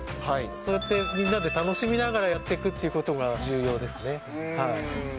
そうやって、みんなで楽しみながらやっていくということが重要ですね。